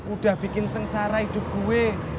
udah bikin sengsara hidup gue